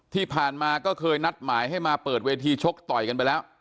ที่ผ่านมาก็เคยนัดหมายให้มาเปิดเวทีชกต่อยกันไปแล้ว